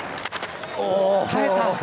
耐えた。